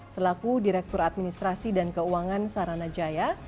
selaku direktur administrasi dan keuangan saranajaya